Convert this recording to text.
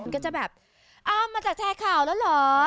ก็จะแบบอ้าวมาจากแชร์ข่าวแล้วเหรอ